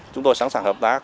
chúng tôi sẵn sàng hợp tác